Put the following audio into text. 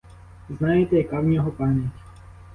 Знаєте, яка в нього пам'ять.